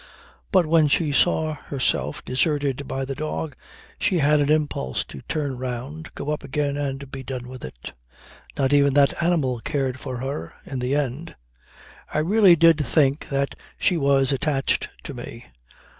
But when she saw herself deserted by the dog, she had an impulse to turn round, go up again and be done with it. Not even that animal cared for her in the end. "I really did think that he was attached to me.